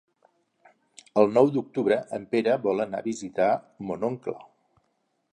El nou d'octubre en Pere vol anar a visitar mon oncle.